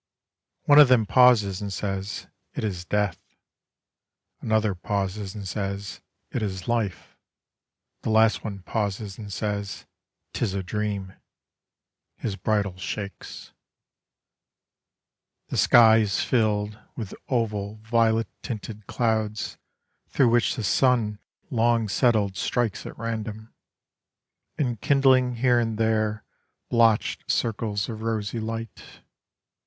One of them pauses and says, "It is death." Another pauses and says, "It is life." The last one pauses and says, "'Tis a dream." His bridle shakes. The sky Is filled with oval violet tinted clouds Through which the sun long settled strikes at random, Enkindling here and there blotched circles of rosy light.